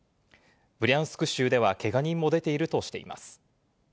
ブリャンスク州ではけが人も出ているとしています。